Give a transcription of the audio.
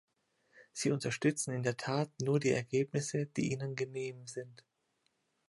Sie unterstützen in der Tat nur die Ergebnisse, die Ihnen genehm sind.